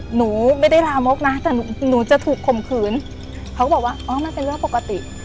หนูไม่ได้ลามกนะแต่หนูจะถูกข่มขืนเขาก็บอกว่าอ๋อมันเป็นเรื่องปกติ